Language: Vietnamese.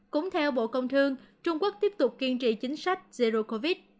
cũng theo bộ công thương trung quốc tiếp tục kiên trì chính sách zero covid